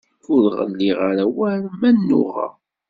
Ur ɣelliɣ ara war ma nnuɣeɣ.